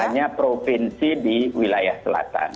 hanya provinsi di wilayah selatan